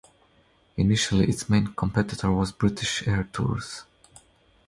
Initially its main competitor was British Airtours.